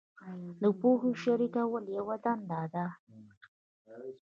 د پوهې شریکول یوه دنده ده.